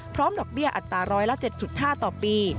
ดอกเบี้ยอัตราร้อยละ๗๕ต่อปี